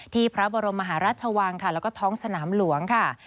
ที่พระบรมกรรมหารัฐชวังแล้วก็ท้องสนามหลวงค่ะ